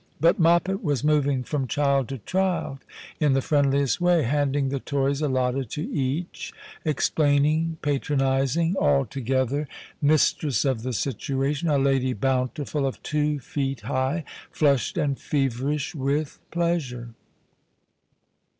But Moppet was moving from child to child in the friendliest way, handing the toys allotted to each, explaining, patronizing, altogether The Christmas Hirelings. 177 mistress of the situation, a Lady Bountiful of two feet high, flushed and feverish with pleasure.